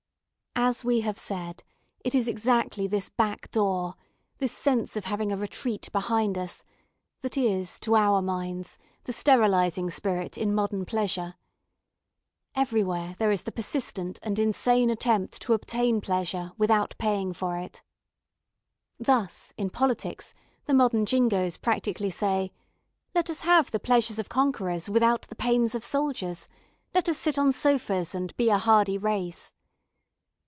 As we have said, it is exactly this backdoor, this sense of having a retreat behind us, that is, to our minds, the sterilizing spirit in modern pleasure. Everywhere there is the persistent and insane attempt to obtain pleasure without paying for it. Thus, in politics the modern Jingoes practically say, 'Let us have the pleasures of conquerors without the pains of soldiers: let us sit on sofas and be a hardy race.'